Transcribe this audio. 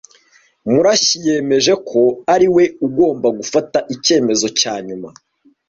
Murashyi yemeje ko ari we ugomba gufata icyemezo cya nyuma.